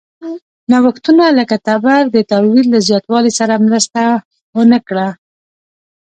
نوښتونه لکه تبر د تولید له زیاتوالي سره مرسته ونه کړه.